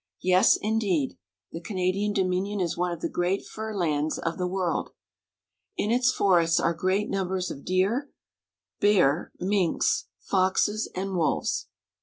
Yes, indeed! The Canadian Dominion is one of the great fur lands of the world. In its forests are great num bers of deer, bears, minks, foxes, and wolves.